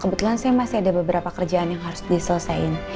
kebetulan saya masih ada beberapa kerjaan yang harus diselesaikan